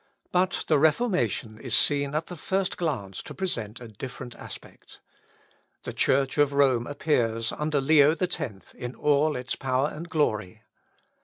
But the Reformation is seen, at the first glance, to present a different aspect. The Church of Rome appears, under Leo X, in all its power and glory.